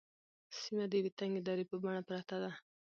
سیمه د یوې تنگې درې په بڼه پرته ده.